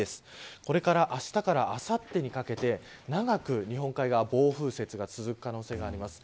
これからあしたからあさってにかけて長く日本海側、暴風雪が続く可能性があります。